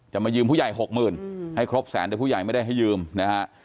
มายืมผู้ใหญ่หกหมื่นให้ครบแสนแต่ผู้ใหญ่ไม่ได้ให้ยืมนะฮะ